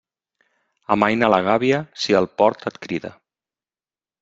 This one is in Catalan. Amaina la gàbia si el port et crida.